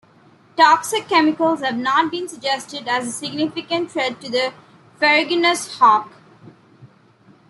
Toxic chemicals have not been suggested as a significant threat to the ferruginous hawk.